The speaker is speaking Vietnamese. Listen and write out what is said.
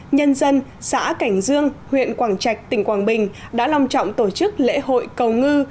nhân dân xã cảnh dương huyện quảng trạch tỉnh quảng bình đã long trọng tổ chức lễ hội cầu ngư